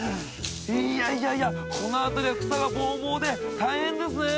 いやいやいやこの辺りは草がボーボーで大変ですね。